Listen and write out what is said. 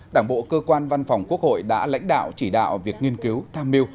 đảng bộ cơ quan văn phòng quốc hội đã lãnh đạo chỉ đạo việc nghiên cứu tham mưu